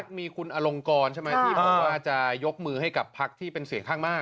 มีคุณอลงกรใช่ไหมที่บอกว่าจะยกมือให้กับพักที่เป็นเสียงข้างมาก